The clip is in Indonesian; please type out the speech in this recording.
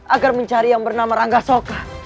agar mencari yang bernama rangga soka